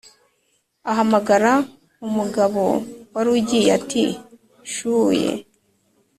ahamagara umgabo warugiye ati shuye